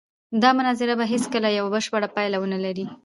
دا مناظره به هېڅکله یوه بشپړه پایله ونه لري.